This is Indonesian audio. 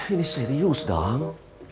ini serius dang